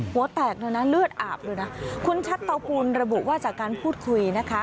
หัวแตกเลยนะเลือดอาบเลยนะคุณชัดเตาปูนระบุว่าจากการพูดคุยนะคะ